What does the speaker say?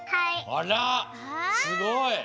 あらすごい！